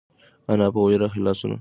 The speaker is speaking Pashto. انا په وېره خپل لاسونه بېرته راکش کړل.